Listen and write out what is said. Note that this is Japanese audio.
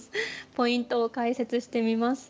ポイントを解説してみます。